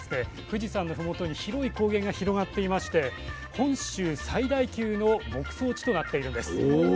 富士山の麓に広い高原が広がっていまして本州最大級の牧草地となっているんです。